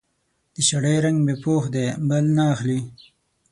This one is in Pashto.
د شړۍ رنګ مې پوخ دی؛ بل نه اخلي.